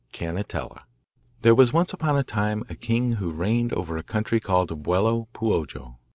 Cannetella There was once upon a time a king who reigned over a country called 'Bello Puojo.